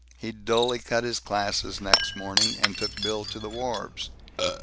He dully cut his classes, next morning, and took Bill to the wharves.